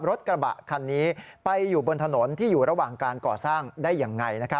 รถกระบะคันนี้ไปอยู่บนถนนที่อยู่ระหว่างการก่อสร้างได้อย่างไร